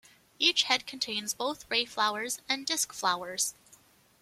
Each head contains both ray flowers and disc flowers.